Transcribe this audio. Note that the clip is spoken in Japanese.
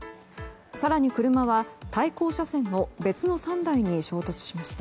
更に車は対向車線の別の３台に衝突しました。